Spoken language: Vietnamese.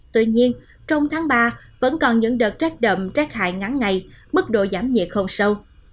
tuy nhiên trong tháng ba vẫn còn những đợt rét đậm rét hại ngắn ngày mức độ giảm nhiệt không sâu